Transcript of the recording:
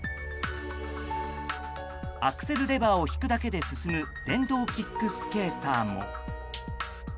アクセルレバーを引くだけで進む電動キックスケーターも。